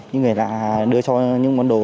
những người lạ đưa cho những món đồ